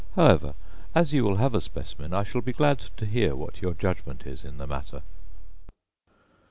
However, as you will have a specimen, I shall be glad to hear what your judgment is in the matter.